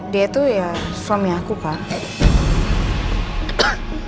dia tuh ya suami aku kak